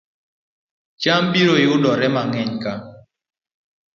Cham biro yudore mang'eny ka